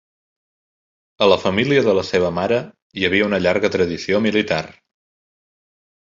A la família de la seva mare hi havia una llarga tradició militar.